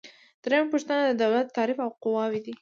دریمه پوښتنه د دولت تعریف او قواوې دي.